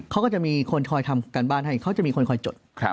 เขาก็จะมีคนคอยทำการบ้านให้เขาจะมีคนคอยจด